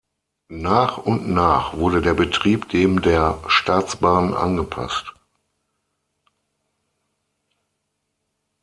Nach und nach wurde der Betrieb dem der Staatsbahn angepasst.